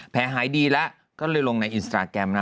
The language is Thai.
หายดีแล้วก็เลยลงในอินสตราแกรมนะ